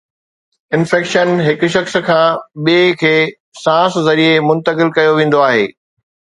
infection هڪ شخص کان ٻئي کي سانس ذريعي منتقل ڪيو ويندو آهي